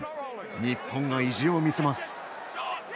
日本が意地を見せます。